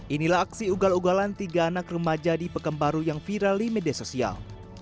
inilah aksi ugal ugalan tiga anak remaja di pekembaru yang viral di media sosial